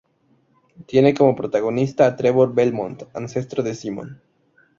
Tiene como protagonista a Trevor Belmont, ancestro de Simon.